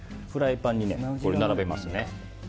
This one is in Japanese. フライパンに並べます。